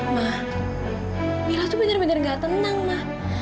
ma mila tuh bener bener nggak tenang ma